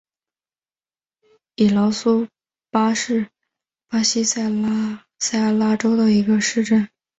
伊劳苏巴是巴西塞阿拉州的一个市镇。